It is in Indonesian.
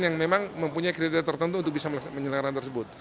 yang memang mempunyai kriteria tertentu untuk bisa menyelenggarakan tersebut